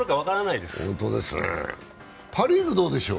パ・リーグどうでしょう。